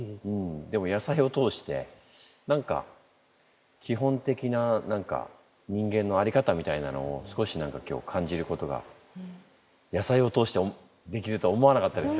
でも野菜を通して何か基本的な何か人間の在り方みたいなのを少し何か今日感じることが野菜を通してできると思わなかったです。